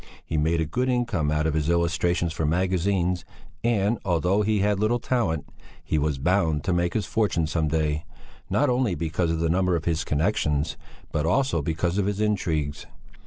He made a good income out of his illustrations for magazines and, although he had little talent, he was bound to make his fortune some day, not only because of the number of his connexions, but also because of his intrigues.